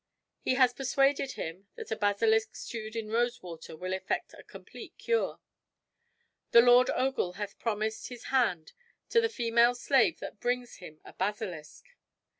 He has persuaded him that a basilisk stewed in rose water will effect a complete cure. The Lord Ogul hath promised his hand to the female slave that brings him a basilisk.